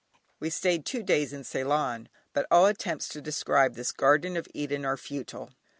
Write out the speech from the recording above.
We stayed two days in Ceylon, but all attempts to describe this "Garden of Eden" are futile.